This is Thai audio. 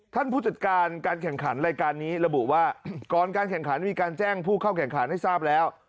ผู้จัดการการแข่งขันรายการนี้ระบุว่าก่อนการแข่งขันมีการแจ้งผู้เข้าแข่งขันให้ทราบแล้ว